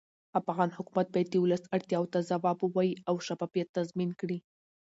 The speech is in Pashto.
افغان حکومت باید د ولس اړتیاوو ته ځواب ووایي او شفافیت تضمین کړي